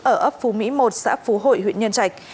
ở ấp phú mỹ một xã phú hội huyện nhân trạch